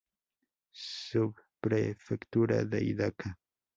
Subprefectura de Hidaka